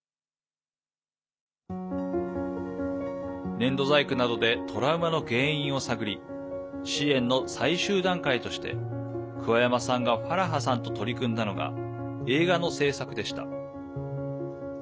粘土細工などでトラウマの原因を探り支援の最終段階として桑山さんがファラハさんと取り組んだのが映画の製作でした。